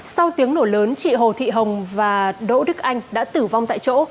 sau tiếng nổ lớn chị hồ thị hồng và đỗ đức anh đã tử vong tại chỗ